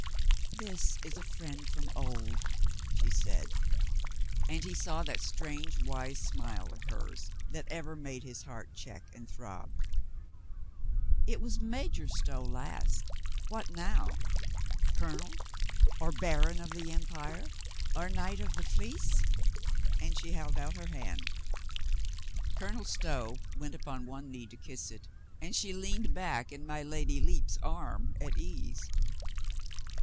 "This is a friend from of old," she said, and he saw that strange, wise smile of hers that ever made his heart check and throb. "It was Major Stow last. What now? Colonel, or Baron HE SEES HIS INSPIRATION 37 of the Empire, or Knight of the Fleece?" and she held out her hand. Colonel Stow went upon one knee to kiss it, and she leaned back in my Lady Lepe's arm at ease.